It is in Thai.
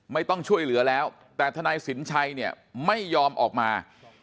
ไม่ต้องช่วยเหลือแล้วแต่ทนายสินชัยเนี่ยไม่ยอมออกมา